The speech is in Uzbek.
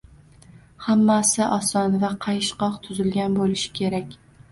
Hammasi oson va qayishqoq tuzilgan boʻlishi kerak.